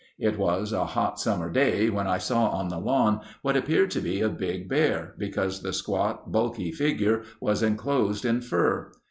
It was a hot summer day when I saw on the lawn what appeared to be a big bear, because the squat, bulky figure was enclosed in fur.